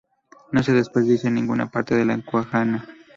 No se desperdicia ninguna parte de la cuajada.